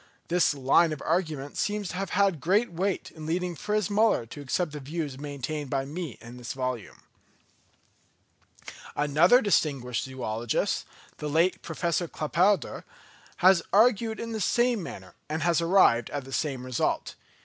This line of argument seems to have had great weight in leading Fritz Müller to accept the views maintained by me in this volume. Another distinguished zoologist, the late Professor Claparède, has argued in the same manner, and has arrived at the same result.